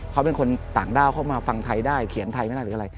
เขาเป็นคนต่างด้าวเข้ามาฟังไทยได้เขียนไทยไม่ได้หรืออะไร